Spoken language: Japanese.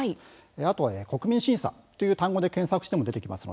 あと「国民審査」という単語で検索しても出てきます。